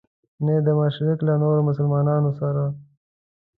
نه یې د مشرق له نورو مسلمانانو سره.